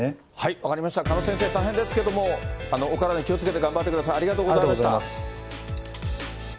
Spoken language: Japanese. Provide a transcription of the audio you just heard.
分かりました、鹿野先生、大変ですけれども、お体に気をつけて頑張ってください、ありがとうございました。